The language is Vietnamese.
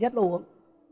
nhất là uống